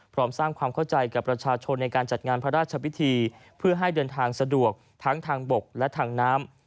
พร้อมสร้างความเข้าใจกับประชาชนในการจัดงานพระราชพิธีเพื่อให้เดินทางสะดวกทั้งทางบกและทางน้ำ